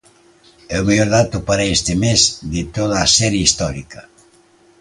É o mellor dato para este mes de toda a serie histórica.